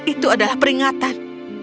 itu adalah peringatan